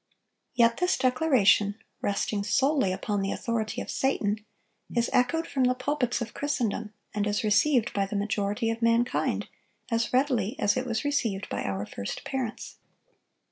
Yet this declaration, resting solely upon the authority of Satan, is echoed from the pulpits of Christendom, and is received by the majority of mankind as readily as it was received by our first parents.